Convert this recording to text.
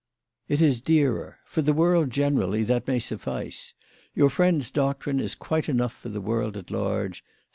"It is dearer. For the world generally that may suffice. Your friend's doctrine is quite enough for the world at large.